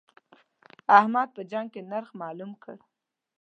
احمد په جنګ کې نرخ مالوم کړ.